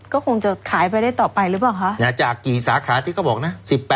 ก็คงจะขายไปได้ต่อไปหรือเปล่าครับ